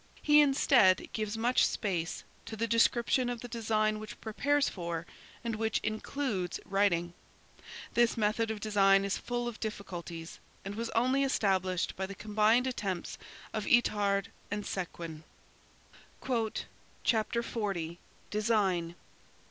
He instead, gives much space to the description of the design which prepares for, and which includes writing. This method of design is full of difficulties and was only established by the combined attempts of Itard and Séguin. "Chapter XL: DESIGN.